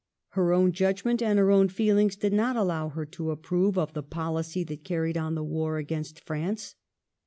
Her own judgment and her own feelings did not allow her to approve of the policy that carried on the war against France.